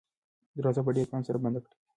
دروازه په ډېر پام سره بنده کړه.